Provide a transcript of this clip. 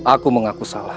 aku mengaku salah